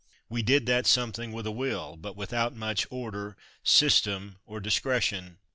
We did that something with a will, but without much order, system, or discretion.